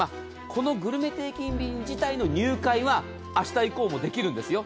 このグルメ定期便自体の入会は明日以降もできるんですよ。